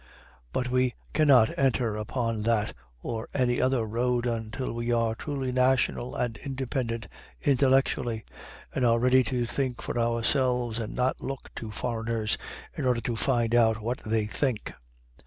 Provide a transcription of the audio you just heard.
But we cannot enter upon that or any other road until we are truly national and independent intellectually, and are ready to think for ourselves, and not look to foreigners in order to find out what they think.